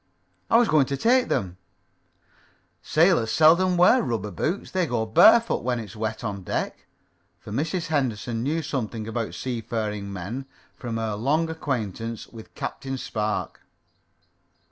"I was going to take them along." "Sailors seldom wear rubber boots. They go barefoot when it's wet on deck." For Mrs. Henderson knew something about seafaring men, from her long acquaintance with Captain Spark.